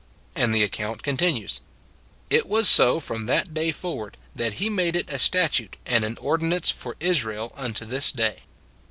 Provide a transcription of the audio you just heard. And the account continues :" It was so from that day forward, that he made it a statute and an ordinance for Israel unto this day."